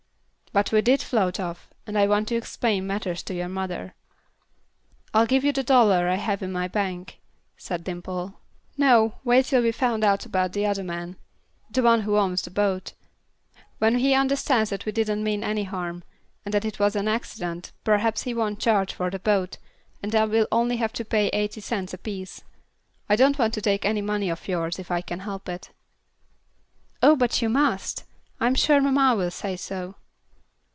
"But we did float off, and I want to explain matters to your mother." "I'll give you the dollar I have in my bank," said Dimple. "No, wait till we find out about the other man; the one who owns the boat. When he understands that we didn't mean any harm, and that it was an accident, perhaps he won't charge for the boat, and then we'll only have to pay eighty cents apiece. I don't want to take any money of yours if I can help it." "Oh, but you must. I'm sure mamma will say so."